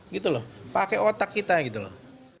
gitu loh pakai otak kita gitu loh